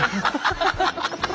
ハハハハ！